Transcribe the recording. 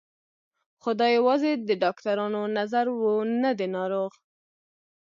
خو دا يوازې د ډاکترانو نظر و نه د ناروغ.